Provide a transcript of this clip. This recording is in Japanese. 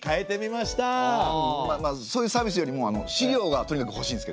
まあまあそういうサービスよりも資料がとにかくほしいんですけど。